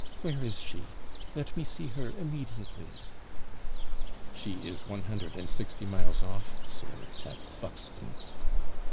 Where is she? Let me see her immediately.' 'She is one hundred and sixty miles off, sir, at Buxton.'